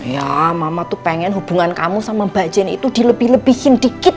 ya mama tuh pengen hubungan kamu sama mbak jen itu dilebih lebihin dikit